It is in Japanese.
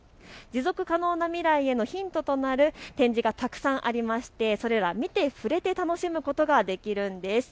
持続可能な未来へのヒントとなる展示がたくさんあってそれらを見て触れて楽しむことができるんです。